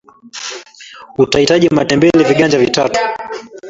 utahita matembele Viganja tatu